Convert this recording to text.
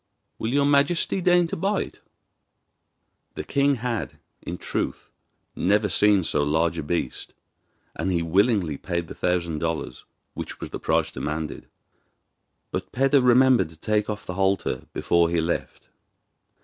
Will your majesty deign to buy it?' The king had, in truth, never seen so large a beast, and he willingly paid the thousand dollars, which was the price demanded; but Peder remembered to take off the halter before he left.